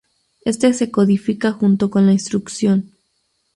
Este se codifica junto con la instrucción.